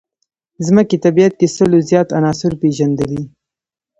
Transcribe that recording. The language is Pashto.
ځمکې طبیعت کې سلو زیات عناصر پېژندلي.